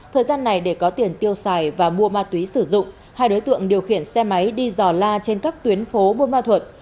thời gian này để có tiền tiêu xài và mua ma túy sử dụng hai đối tượng điều khiển xe máy đi dò la trên các tuyến phố bôn ma thuột